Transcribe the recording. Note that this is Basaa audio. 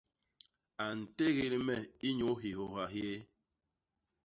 A ntégél me inyuu hihôha hyéé.